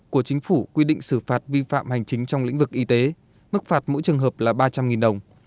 của chính phủ quy định xử phạt vi phạm hành chính trong lĩnh vực y tế mức phạt mỗi trường hợp là ba trăm linh đồng